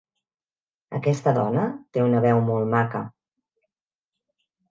Aquesta dona té una veu molt maca.